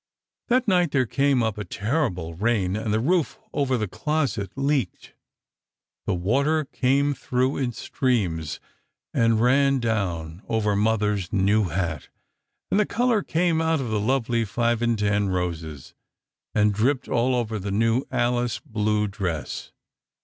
"That night there came up a terrible rain, and the roof over the closet leaked. The water came through in streams, and ran down over mother's new hat, and the color came out of the lovely five and ten roses and dripped all over the new Alice blue dress.